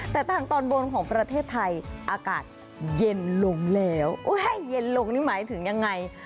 แต่ทางตอนบนของประเทศไทยอากาศเย็นลงแล้วเย็นลงนี่หมายถึงยังไง